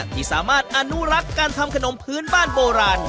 ที่สามารถอนุรักษ์การทำขนมพื้นบ้านโบราณ